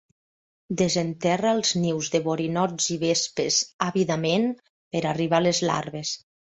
Desenterra els nius de borinots i vespes àvidament per arribar a les larves.